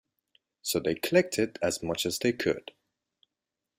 So they collected as much as they could.